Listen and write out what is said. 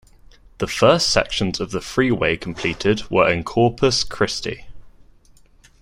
The first sections of the freeway completed were in Corpus Christi.